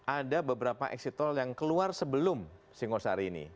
ada beberapa exit tol yang keluar sebelum singosari ini